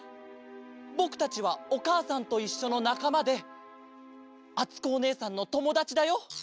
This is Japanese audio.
ぼくたちは「おかあさんといっしょ」のなかまであつこおねえさんのともだちだよ。